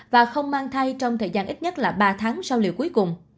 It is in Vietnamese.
và không mang thai trong thời gian ít nhất là ba tháng sau liệu cuối cùng